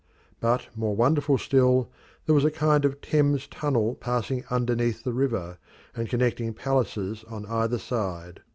But more wonderful still, there was a kind of Thames Tunnel passing underneath the river, and connecting palaces on either side.